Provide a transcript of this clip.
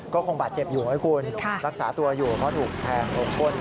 ก็คงบาดเจ็บอยู่ไหมคุณรักษาตัวอยู่เพราะถูกแทง๖คน